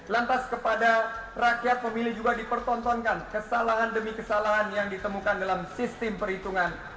lantas kepada rakyat memilih juga dipertontonkan kesalahan demi kesalahan yang ditemukan dalam sistem perhitungan